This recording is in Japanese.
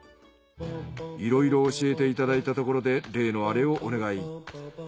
いろいろ教えていただいたところで例のアレをお願い。